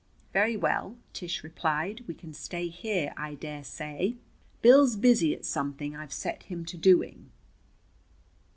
"Very well," Tish replied, "we can stay here, I dare say. Bill's busy at something I've set him to doing."